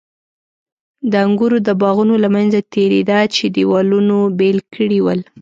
د انګورو د باغونو له منځه تېرېده چې دېوالونو بېل کړي ول.